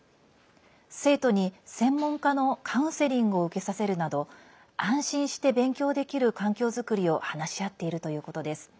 生徒に専門家のカウンセリングを受けさせるなど安心して勉強できる環境作りを話し合っているということです。